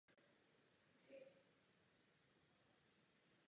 Rovněž je třeba zlepšit osvětu ze strany zdravotnických odborníků.